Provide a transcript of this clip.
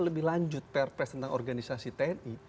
lebih lanjut perpres tentang organisasi tni